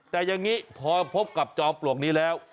แต่อย่างนี้พอพบกับจอมปลวกนี้แล้ว